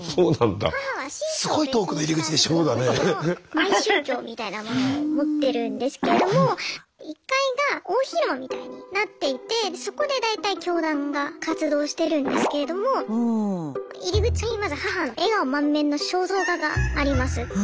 独自のマイ宗教みたいなものを持ってるんですけれども１階が大広間みたいになっていてそこで大体教団が活動してるんですけれども入り口にまず母の笑顔満面の肖像画があります。